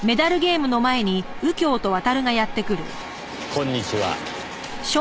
こんにちは。